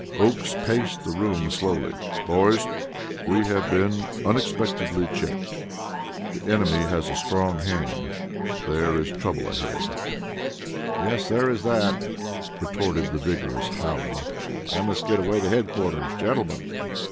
Oakes paced the room slowly. "Boys, we have been unexpectedly checked. The enemy has a strong hand: there is trouble ahead." "Yes, there is that," retorted the vigorous Hallen. "I must get away to headquarters, gentlemen!"